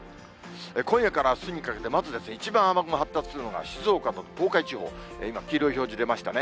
今夜からあすにかけて、まず一番雨雲、発達するのが静岡の東海地方、今、黄色い表示出ましたね。